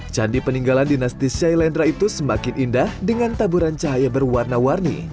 candi peninggalan dinasti shailendra itu semakin indah dengan taburan cahaya berwarna warni